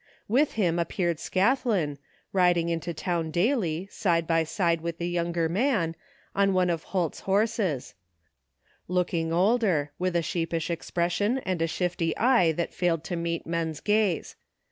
With him appeared Scathlin, riding into town daily, side by side with the younger man, on one of Holt's horses ; looking older, with a sheepish expression and a shifty eye that failed to meet men's gaze.